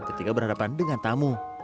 ketika berhadapan dengan tamu